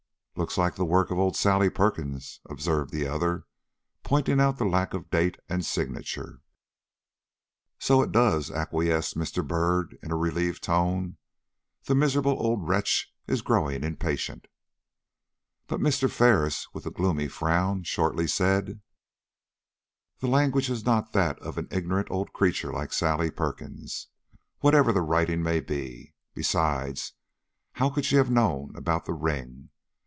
"Looks like the work of old Sally Perkins," observed the other, pointing out the lack of date and signature. "So it does," acquiesced Mr. Byrd, in a relieved tone. "The miserable old wretch is growing impatient." But Mr. Ferris, with a gloomy frown, shortly said: "The language is not that of an ignorant old creature like Sally Perkins, whatever the writing may be. Besides, how could she have known about the ring?